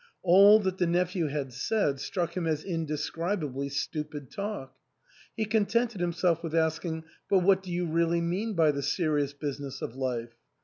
All that the nephew had said struck him as indescribably stupid talk. He contented himself with asking, " But what do you really mean by the serious business of life?"